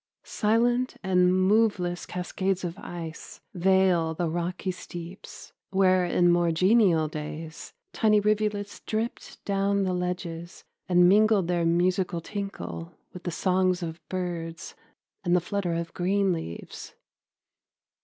Silent and moveless cascades of ice veil the rocky steeps where in more genial days tiny rivulets dripped down the ledges and mingled their musical tinkle with the songs of birds and the flutter of green leaves.